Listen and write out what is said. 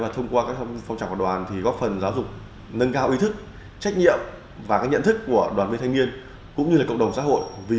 thông qua các phong trào của đoàn góp phần giáo dục nâng cao ý thức trách nhiệm và nhận thức của đoàn viên thanh niên cũng như cộng đồng xã hội